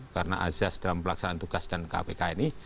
karena asas dalam pelaksanaan tugas dan kpk ini